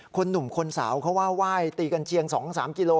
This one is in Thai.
หนุ่มคนสาวเขาว่าไหว้ตีกันเชียง๒๓กิโล